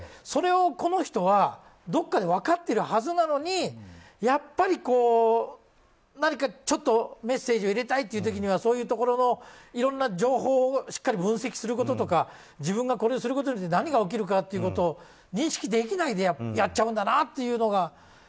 それをこの人はどこかで分かってるはずなのにやっぱり何かメッセージを入れたいという時にはそういうところのいろんな情報をしっかり分析することとか自分がこれをすることで何が起きるかを認識できないでやっちゃうんだなというのが